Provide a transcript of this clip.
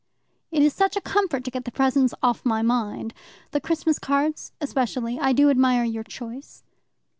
"It is such a comfort to get the presents off my mind the Christmas cards especially. I do admire your choice."